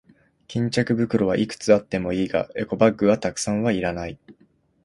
巾着袋はいくつあってもいいが、エコバッグはたくさんはいらない。